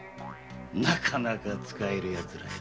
なかなか使える奴らよ。